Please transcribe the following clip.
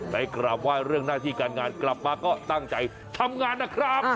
กราบไหว้เรื่องหน้าที่การงานกลับมาก็ตั้งใจทำงานนะครับ